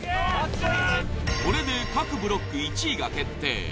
これで各ブロック１位が決定。